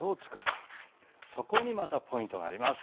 そこにまたポイントがあります。